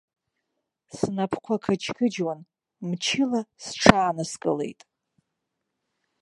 Снапқәа қыџьқыџьуан, мчыла сҽааныскылеит.